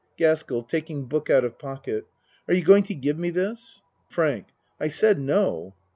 GASKELL (Taking book out of pocket.) Are you going to give me this? FRANK I said no.